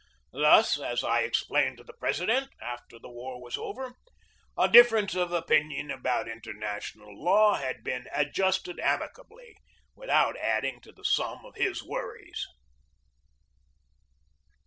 Thus, as I explained to the President, after the war was over, a difference of opinion about international law had been ad justed amicably, without adding to the sum of his worries.